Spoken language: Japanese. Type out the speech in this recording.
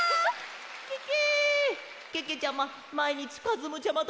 ケケ！